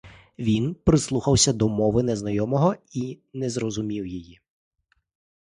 Він прислухався до мови незнайомого і не зрозумів її.